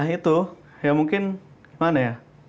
itu ya mungkin gimana ya